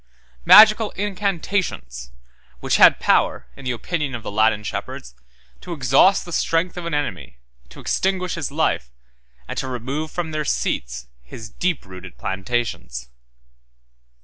9. Magical incantations; which had power, in the opinion of the Latin shepherds, to exhaust the strength of an enemy, to extinguish his life, and to remove from their seats his deep rooted plantations.